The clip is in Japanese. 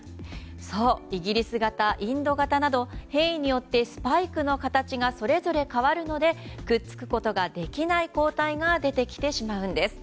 そう、イギリス型、インド型など変異によってスパイクの形がそれぞれ変わるのでくっつくことができない抗体が出てきてしまうんです。